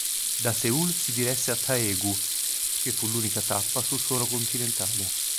Da Seul si diresse a Taegu, che fu l'ultima tappa sul suolo continentale.